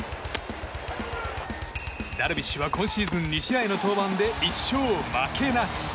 ダルビッシュは、今シーズン２試合の登板で１勝負けなし。